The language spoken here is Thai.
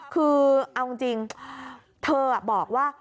คือเอาจริงเธอบอกว่า